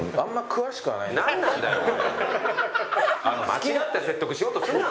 間違った説得しようとするな！